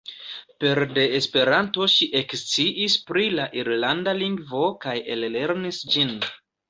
Pere de Esperanto ŝi eksciis pri la irlanda lingvo kaj ellernis ĝin.